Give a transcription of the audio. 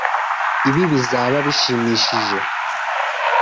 Ibi bizaba bishimishije.